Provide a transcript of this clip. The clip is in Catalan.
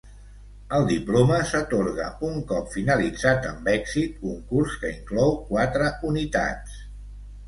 El diploma s'atorga un cop finalitzat amb èxit un curs que inclou quatre unitats.